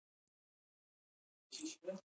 د ریګ دښتې د افغانستان د پوهنې نصاب کې شامل دي.